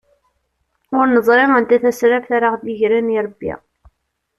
Ur neẓri anta tasraft ara aɣ-d-igren irebbi.